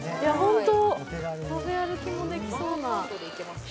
食べ歩きもできそうな。